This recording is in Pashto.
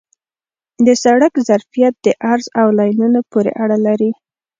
د سړک ظرفیت د عرض او لینونو پورې اړه لري